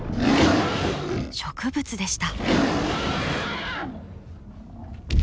植物でした。